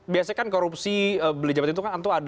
biasanya kan korupsi beli jabatan itu kan